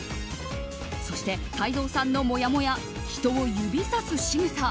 そして泰造さんの、もやもや人を指さすしぐさ。